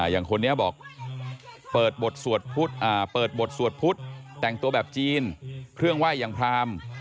อย่างคนนี้บอกเปิดบทสวดเปิดบทสวดพุทธแต่งตัวแบบจีนเครื่องไหว้อย่างพราม